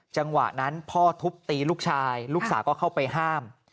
จังหวะนั้นพ่อทุบตีลูกชายลูกสาวก็เข้าไปห้าม